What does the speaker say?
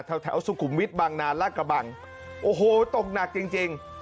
แถวสุขุมวิทย์บางนานลาดกระบังโอ้โหตกหนักจริงจริง